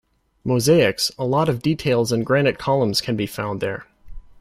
Mosaics, a lot of details and granite columns can be found there.